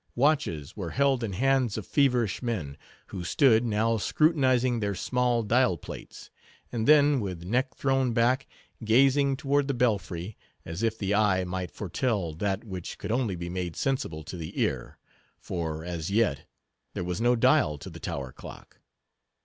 Watches were held in hands of feverish men, who stood, now scrutinizing their small dial plates, and then, with neck thrown back, gazing toward the belfry, as if the eye might foretell that which could only be made sensible to the ear; for, as yet, there was no dial to the tower clock.